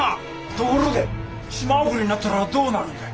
ところで島送りになったらどうなるんだい？